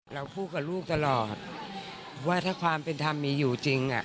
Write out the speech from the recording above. เราพูดกับลูกตลอดว่าถ้าความเป็นธรรมมีอยู่จริง